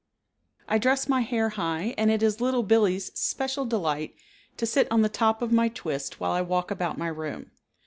I dress my hair high and it is Little Billee's special delight to sit on the top of my twist while I walk about my room.